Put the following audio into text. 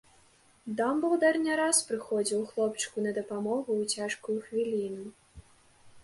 Дамблдар не раз прыходзіў хлопчыку на дапамогу ў цяжкую хвіліну.